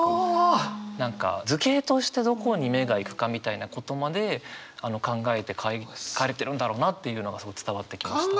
何か図形としてどこに目がいくかみたいなことまで考えて書かれてるんだろうなっていうのがすごい伝わってきました。